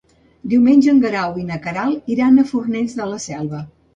Diumenge en Guerau i na Queralt iran a Fornells de la Selva.